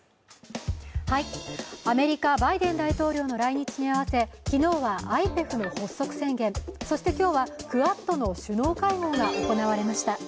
アメリカ・バイデン大統領の来日にあわせ、昨日はＩＰＥＦの発足宣言そして今日はクアッドの首脳会合が行われました。